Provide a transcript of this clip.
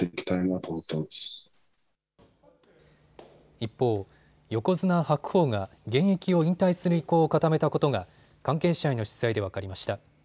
一方、横綱・白鵬が現役を引退する意向を固めたことが関係者への取材で分かりました。